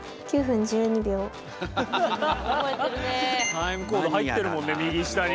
タイムコード入ってるもんね右下に。